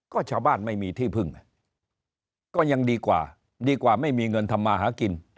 ก็ชาวบ้านไม่มีที่พึ่งก็ยังดีกว่าดีกว่าไม่มีเงินทำมาหากิน